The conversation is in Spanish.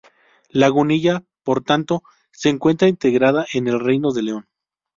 Lagunilla, por tanto, se encuentra integrada en el Reino de León.